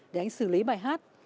để anh xử lý bài hát